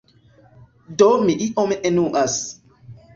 Do mi iom enuas.